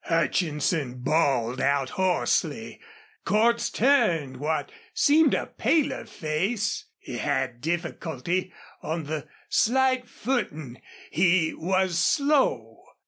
Hutchinson bawled out hoarsely. Cordts turned what seemed a paler face. He had difficulty on the slight footing. He was slow.